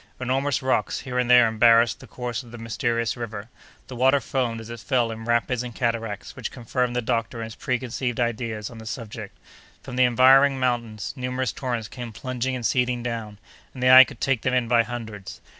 Enormous rocks, here and there, embarrassed the course of this mysterious river. The water foamed as it fell in rapids and cataracts, which confirmed the doctor in his preconceived ideas on the subject. From the environing mountains numerous torrents came plunging and seething down, and the eye could take them in by hundreds.